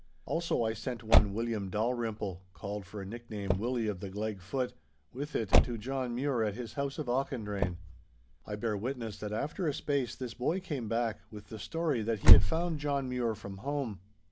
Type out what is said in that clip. Also I sent one William Dalrymple, called for a nickname Willie of the Gleg foot, with it to John Mure at his house of Auchendrayne. I bear witness that after a space this boy came back, with the story that he had found John Mure from home.